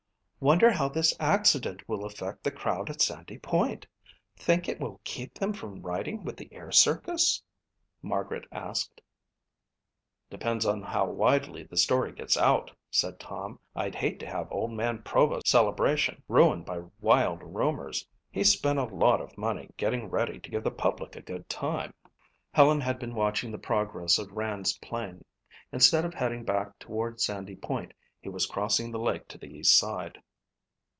"Wonder how this accident will affect the crowd at Sandy Point. Think it will keep them from riding with the air circus?" Margaret asked. "Depends on how widely the story gets out," said Tom. "I'd hate to have Old Man Provost's celebration ruined by wild rumors. He's spent a lot of money getting ready to give the public a good time." Helen had been watching the progress of Rand's plane. Instead of heading back toward Sandy Point he was crossing the lake to the east side.